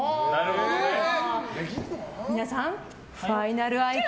皆さん、ファイナル愛花？